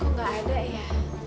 kok gak ada ya